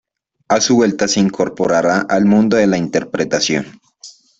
A su vuelta, se incorpora al mundo de la interpretación.